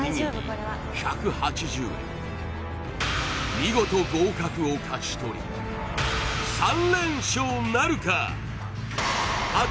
見事合格を勝ち取り３連勝なるか？